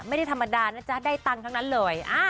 ไม่ได้ธรรมดานะจ๊ะได้ตังค์ทั้งนั้นเลย